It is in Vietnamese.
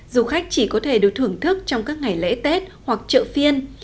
du khách chỉ có thể được thưởng thức trong các ngày lễ tết hoặc chợ phiên